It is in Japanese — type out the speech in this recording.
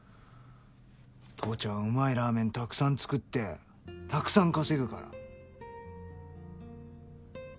父ちゃんうまいラーメンたくさん作ってたくさん稼ぐから。